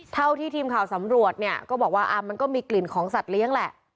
เท่าที่ทีมข่าวสำรวจเนี่ยก็บอกว่ามันก็มีกลิ่นของสัตว์เลี้ยงแหละ